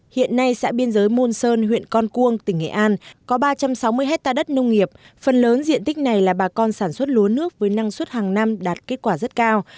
hiện nay xã biên giới môn sơn huyện con cuông tỉnh nghệ an có ba trăm sáu mươi hectare đất nông nghiệp phần lớn diện tích này là bà con sản xuất lúa nước với năng suất hàng năm đạt kết quả rất cao